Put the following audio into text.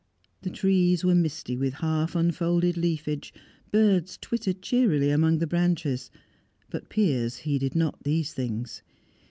The trees were misty with half unfolded leafage birds twittered cheerily among the branches; but Piers heeded not these things.